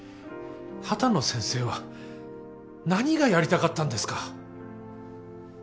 秦野先生は何がやりたかったんですか！？